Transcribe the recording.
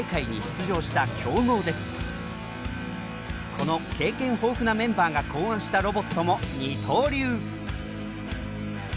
この経験豊富なメンバーが考案したロボットも二刀流。